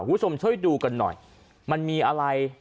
คุณผู้ชมช่วยดูกันหน่อยมันมีอะไร